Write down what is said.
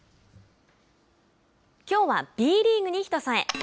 きょうはＢリーグに「ひとそえ」。